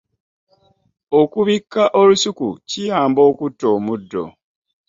Okubikka olusuku akiyama okutta omuddo.